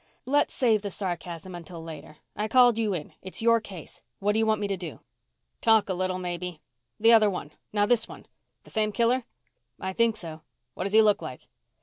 "Let's save the sarcasm until later. I called you in. It's your case. What do you want me to do?" "Talk a little, maybe. The other one now this one. The same killer?" "I think so." "What does he look like?"